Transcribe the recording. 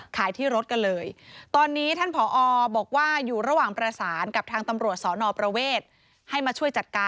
ขายที่รถกันเลย